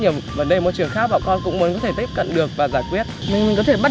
nhiều vấn đề môi trường khác bọn con cũng muốn có thể tiếp cận được và giải quyết mình có thể bắt